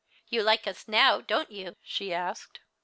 " You like us now, don't you ?" she asked.